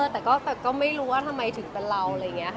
แต่ก็ไม่รู้ว่าทำไมถึงเป็นเรา